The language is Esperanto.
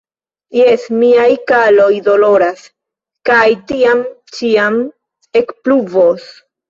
Jes, miaj kaloj doloras, kaj tiam ĉiam ekpluvos.